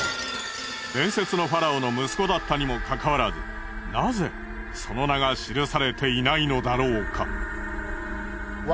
伝説のファラオの息子だったにもかかわらずなぜその名が記されていないのだろうか？